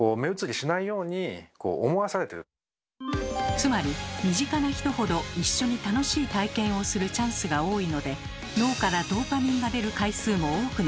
つまり身近な人ほど一緒に楽しい体験をするチャンスが多いので脳からドーパミンが出る回数も多くなります。